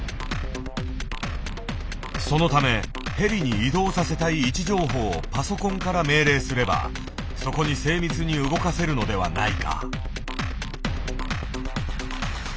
そのためヘリに移動させたい位置情報をパソコンから命令すればそこに精密に動かせるのではないか。